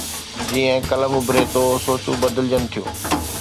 جيئن قلم اڀري ٿو، سوچون بدلجن ٿيون